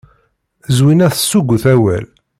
Zwina tessuggut awal.